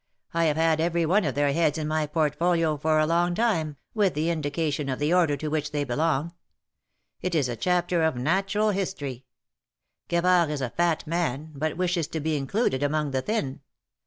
I have had every one of their heads iu my portfolio for a long time, with the indication of the order to which they belong. It is a chapter of Natural History. Gavard is a Fat man, but wishes to be included among the Thin.